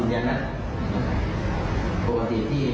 เดมเพื่อนเดมหาสู่ครับทำที่จะบอกไหม